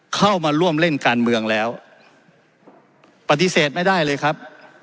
เข้ามาร่วมเล่นการเมืองแล้วปฏิเสธไม่ได้เลยครับ